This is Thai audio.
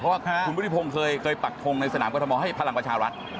เพราะว่าคุณพุทธิพงศ์เคยปักทงในสนามกรทมให้พลังประชารัฐ